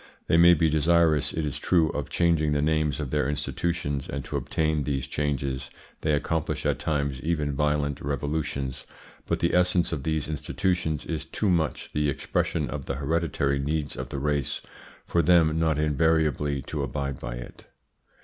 They may be desirous, it is true, of changing the names of their institutions, and to obtain these changes they accomplish at times even violent revolutions, but the essence of these institutions is too much the expression of the hereditary needs of the race for them not invariably to abide by it.